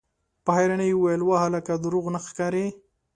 په حيرانۍ يې وويل: وه هلکه! روغ نه ښکارې!